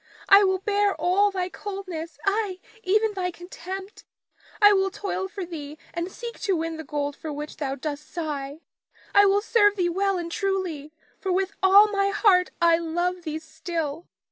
I will bear all thy coldness, ay even thy contempt. I will toil for thee and seek to win the gold for which thou dost sigh, I will serve thee well and truly, for with all my heart I love thee still.